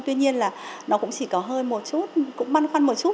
tuy nhiên là nó cũng chỉ có hơn một chút cũng băn khoăn một chút